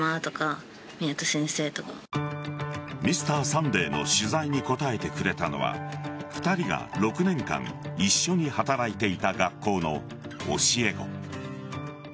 「Ｍｒ．サンデー」の取材に答えてくれたのは２人が６年間一緒に働いていた学校の教え子。